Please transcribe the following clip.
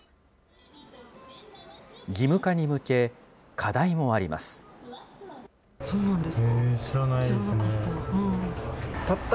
義務化に向け、課題もあります。